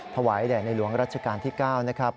ถวายแด่ในหลวงรัชกาลที่๙นะครับ